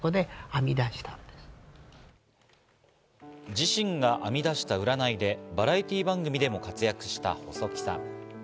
自身が編み出した占いでバラエティー番組でも活躍した細木さん。